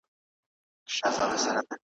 د ژوندون کلونه باد غوندي چلیږي ,